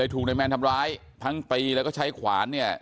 ถูกนายแมนทำร้ายทั้งตีแล้วก็ใช้ขวานเนี่ย